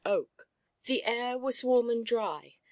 The air was warm and dry.